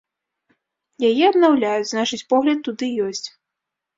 Яе абнаўляюць, значыць погляд туды ёсць.